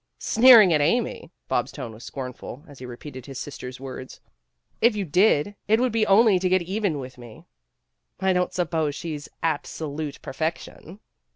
"Sneering at Amy!" Bob's tone was scorn ful as he repeated his sister's words. "If you did, it would be only to get even with me." "I don't suppose she's absolute perfection."